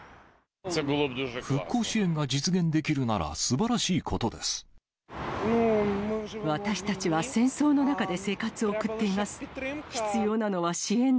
復興支援が実現できるならす私たちは戦争の中で生活を送っています。